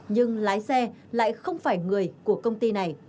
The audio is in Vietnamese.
nhưng lái xe lại không phải người của công ty này